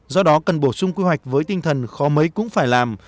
do đó cần bổ sung quy hoạch với tinh thần khó mấy cũng phải làm